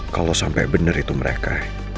kalau sampai benar itu mereka